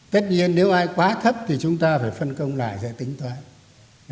tất nhiên nếu ai quá thấp thì chúng ta phải phân công lại sẽ tính toán